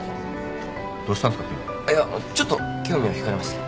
いやあのちょっと興味を引かれまして。